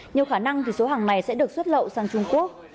nhiều khả năng thì số hàng này sẽ được xuất lậu sang trung quốc